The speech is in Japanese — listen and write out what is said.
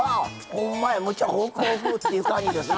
ほんまやむっちゃホクホクっていう感じですな。